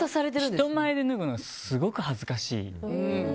人前で脱ぐのすごく恥ずかしい。